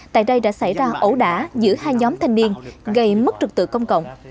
tại đây đã xảy ra ẩu đả giữa hai nhóm thanh niên gây mất trực tự công cộng